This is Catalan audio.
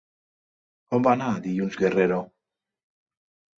On va anar dilluns Guerrero?